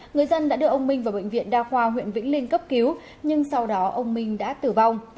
người dân đã đưa ông minh vào bệnh viện đa khoa huyện vĩnh linh cấp cứu nhưng sau đó ông minh đã tử vong